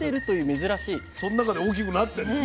その中で大きくなってんのね。